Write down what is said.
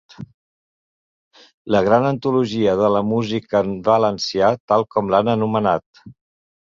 La gran antologia de la música en valencià, tal com l’han anomenat.